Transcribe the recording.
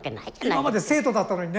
今まで生徒だったのにね。